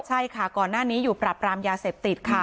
ใช่ค่ะก่อนหน้านี้อยู่ปรับรามยาเสพติดค่ะ